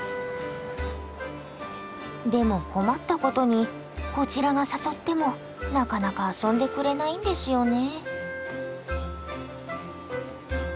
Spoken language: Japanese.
でも困ったことにこちらが誘ってもなかなか遊んでくれないんですよね。